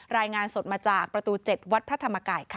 รายงานสดมาจากประตู๗วัดพระธรรมกายค่ะ